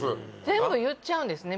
全部言っちゃうんですね